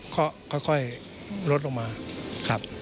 ก็ค่อยลดลงมาครับ